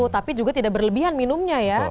tapi juga tidak berlebihan minumnya ya